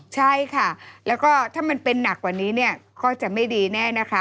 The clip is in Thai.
ใช่ค่ะแล้วก็ถ้ามันเป็นหนักกว่านี้เนี่ยก็จะไม่ดีแน่นะคะ